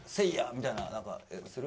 みたいななんかする？